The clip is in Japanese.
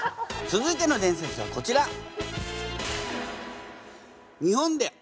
続いての伝説はこちら。